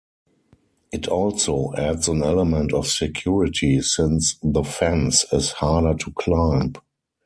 It also adds an element of security, since the fence is harder to climb.